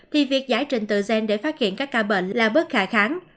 thì việc giải trình tựa gen để phát hiện các ca bệnh là bớt khả kháng